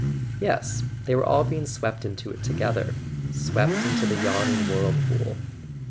Yes, they were all being swept into it together— swept into the yawning whirlpool.